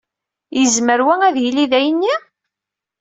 Yezmer wa ad yili d ayenni?